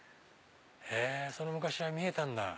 その昔は見えたんだ。